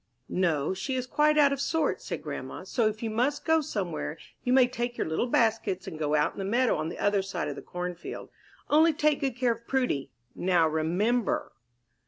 "No, she is quite out of sorts," said grandma. "So if you must go somewhere, you may take your little baskets and go out in the meadow on the other side of the cornfield. Only take good care of Prudy; now remember."